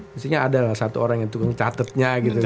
mestinya ada lah satu orang yang tukang catetnya gitu